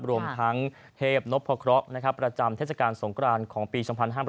รวมทั้งเทพนพครประจำเทศกาลสงครานของปี๒๕๕๘